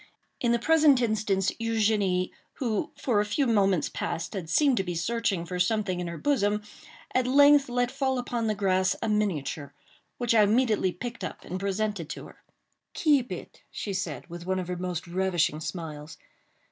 In the present instance, Eugénie, who for a few moments past had seemed to be searching for something in her bosom, at length let fall upon the grass a miniature, which I immediately picked up and presented to her. "Keep it!" she said, with one of her most ravishing smiles.